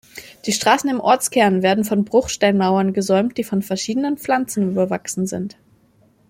Die Straßen im Ortskern werden von Bruchsteinmauern gesäumt, die von verschiedenen Pflanzen bewachsen sind.